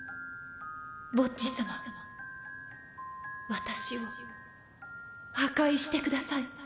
ボッジ様私を破壊してください。